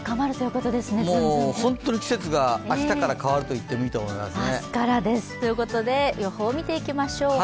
本当に季節が明日から変わると言ってもいいと思いますね。